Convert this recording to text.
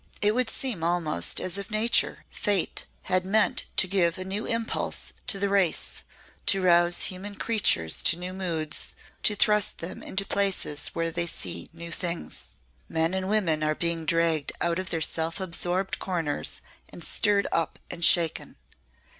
"It would seem almost as if Nature Fate had meant to give a new impulse to the race to rouse human creatures to new moods, to thrust them into places where they see new things. Men and women are being dragged out of their self absorbed corners and stirred up and shaken.